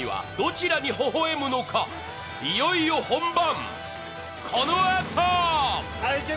いよいよ本番。